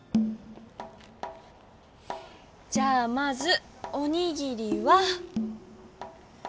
じゃあまずおにぎりは。